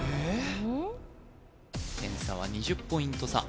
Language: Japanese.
点差は２０ポイント差